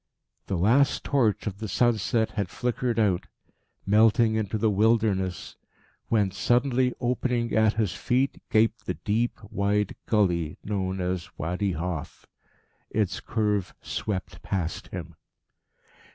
The last torch of the sunset had flickered out, melting into the wilderness, when, suddenly opening at his feet, gaped the deep, wide gully known as Wadi Hof. Its curve swept past him.